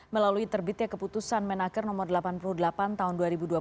melalui terbitnya keputusan menaker no delapan puluh delapan tahun dua ribu dua puluh